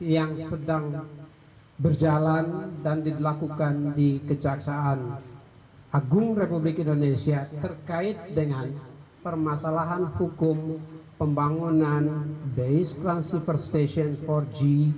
yang sedang berjalan dan dilakukan di kejaksaan agung republik indonesia terkait dengan permasalahan hukum pembangunan based transceiver station empat g